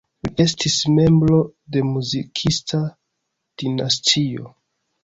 Li estis membro de muzikista dinastio.